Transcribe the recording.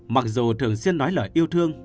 mặc dù thường xuyên nói lời yêu thương